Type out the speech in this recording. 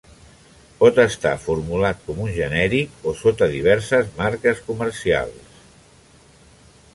Pot estar formulat com un genèric o sota diverses marques comercials.